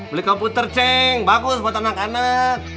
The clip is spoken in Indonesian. beli komputer ceng bagus buat anak anak